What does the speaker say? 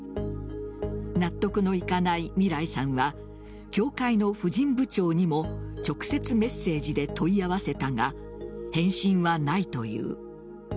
納得のいかないみらいさんは教会の婦人部長にも直接メッセージで問い合わせたが返信はないという。